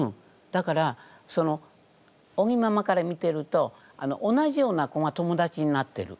だから尾木ママから見てると同じような子が友だちになってる。